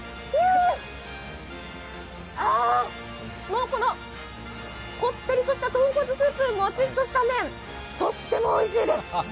もうこのこってりとした豚骨スープ、もちっとした麺、とってもおいしいです。